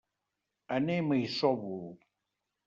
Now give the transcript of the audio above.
Anem a Isòvol.